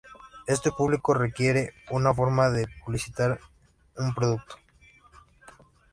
Este público requiere una nueva forma de publicitar un producto.